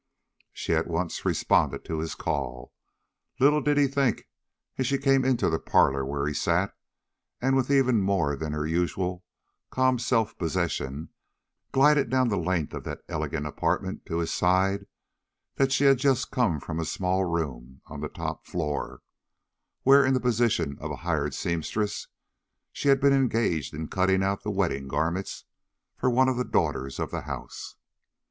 She at once responded to his call. Little did he think as she came into the parlor where he sat, and with even more than her usual calm self possession glided down the length of that elegant apartment to his side, that she had just come from a small room on the top floor, where, in the position of a hired seamstress, she had been engaged in cutting out the wedding garments of one of the daughters of the house.